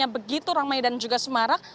di turangmae dan juga semarak